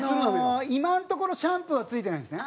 今のところシャンプーは付いてないんですね。